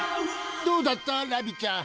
どうだったラビちゃん？